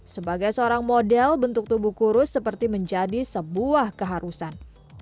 sebagai seorang model bentuk tubuh kurus seperti menjadi sebuah keharusan